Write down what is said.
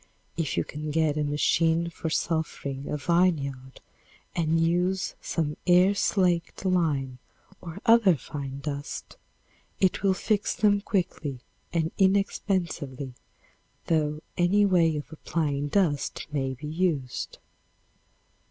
If you can get a machine for sulphuring a vineyard and use some air slaked lime or other fine dust, it will fix them quickly and inexpensively, though any way of applying dust may be used.